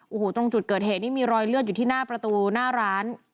โอ้โหตรงจุดเกิดเหตุนี่มีรอยเลือดอยู่ที่หน้าประตูหน้าร้าน